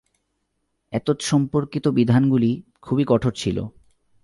এতৎসম্পর্কিত বিধানগুলি খুবই কঠোর ছিল।